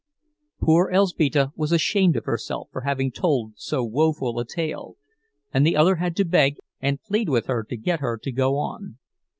Poor Elzbieta was ashamed of herself for having told so woeful a tale, and the other had to beg and plead with her to get her to go on.